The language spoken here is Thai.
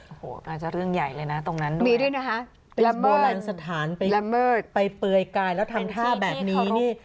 โอ้โหอาจจะเรื่องใหญ่เลยนะตรงนั้นด้วยมีด้วยนะคะละเมิดเป็นโบราณสถานไปเปื่อยกายแล้วทำท่าแบบนี้เนี่ย